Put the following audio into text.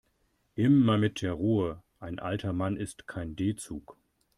Immer mit der Ruhe, ein alter Mann ist kein D-Zug.